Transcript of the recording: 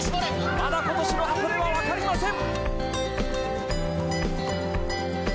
まだ今年の箱根はわかりません！